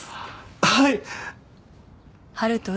はい！